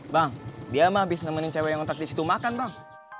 bang dia mah habis nemenin cewe yang ngontrak disitu makan bang